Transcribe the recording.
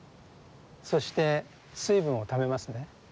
そして水分をためますね。